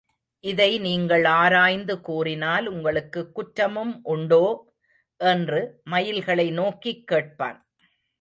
இதை நீங்கள் ஆராய்ந்து கூறினால் உங்களுக்குக் குற்றமும் உண்டோ? என்று மயில்களை நோக்கிக் கேட்பான்.